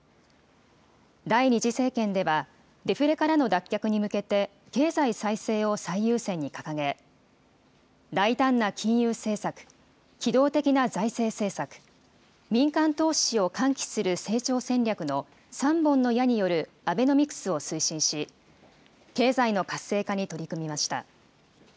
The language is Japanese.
第２次政権では、デフレからの脱却に向けて、経済再生を最優先に掲げ、大胆な金融政策、機動的な財政政策、民間投資を喚起する成長戦略の三本の矢によるアベノミクスを推進し、経済の活性化に取り組みました。